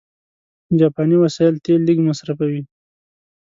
جاپاني وسایل تېل لږ مصرفوي.